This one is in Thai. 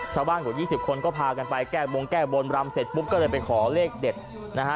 กว่า๒๐คนก็พากันไปแก้บงแก้บนรำเสร็จปุ๊บก็เลยไปขอเลขเด็ดนะฮะ